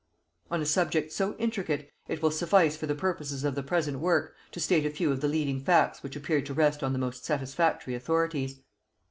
On a subject so intricate, it will suffice for the purposes of the present work to state a few of the leading facts which appear to rest on the most satisfactory authorities.